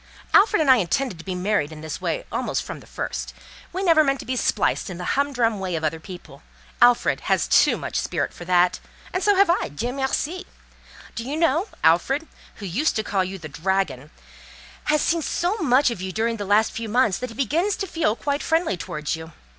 Alfred and I intended to be married in this way almost from the first; we never meant to be spliced in the humdrum way of other people; Alfred has too much spirit for that, and so have I—Dieu merci! Do you know, Alfred, who used to call you 'the dragon,' has seen so much of you during the last few months, that he begins to feel quite friendly towards you.